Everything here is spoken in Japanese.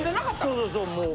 そうそうそうもう。